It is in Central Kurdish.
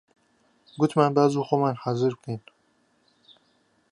گوتمان با زوو خۆمان حازر بکەین